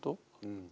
うん。